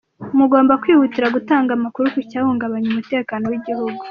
Mugomba kwihutira gutanga amakuru ku cyahungabanya umutekano w’igihugu.